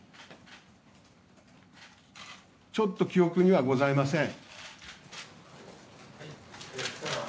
ちょっと記憶にはございません。